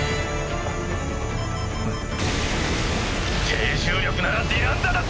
低重力ならディランザだって！